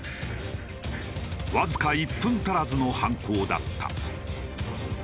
わずか１分足らずの犯行だった。